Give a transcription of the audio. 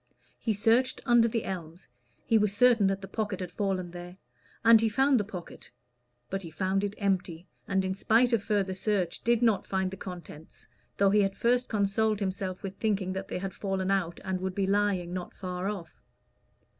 He searched under the elms he was certain that the pocket had fallen there and he found the pocket; but he found it empty, and, in spite of further search, did not find the contents, though he had first consoled himself with thinking that they had fallen out, and would be lying not far off.